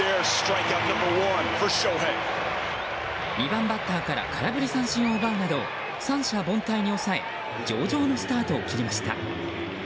２番バッターから空振り三振を奪うなど三者凡退に抑え上々のスタートを切りました。